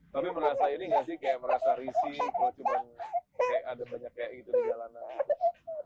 tapi merasa ini gak sih kayak merasa risih kalau cuma kayak ada banyak kayak gitu di jalanan